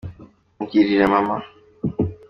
mbwirira mama